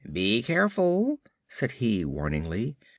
"Be careful," said he warningly.